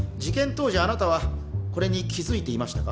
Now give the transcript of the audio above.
当時あなたはこれに気づいていましたか？